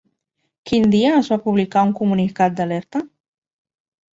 Quin dia es va publicar un comunicat d'alerta?